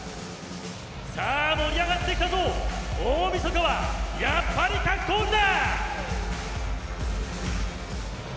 盛り上がってきたぞ、大みそかはやっぱり格闘技だ！